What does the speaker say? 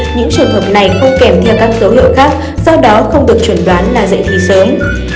những trường hợp này không kèm theo các dấu hiệu khác sau đó không được chuẩn đoán là dạy thi sớm